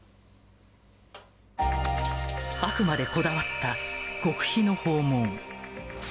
あくまでこだわった極秘の訪問。